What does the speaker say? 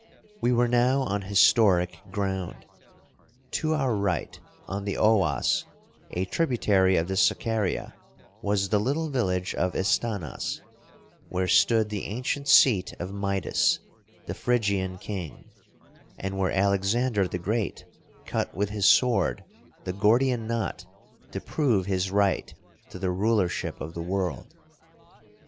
We were now on historic ground. To our right, on the Owas, a tributary of the Sakaria, was the little village of Istanas, where stood the ancient seat of Midas, the Phrygian king, and where ■ AN ANGORA SHEPHERD. Alexander the Great cut with his sword the Gordian knot to prove his right to the rulership of the world.